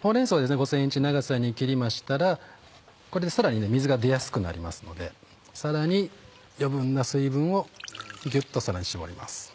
ほうれん草を５ｃｍ長さに切りましたらこれでさらに水が出やすくなりますので余分な水分をギュっと絞ります。